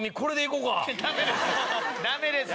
ダメです。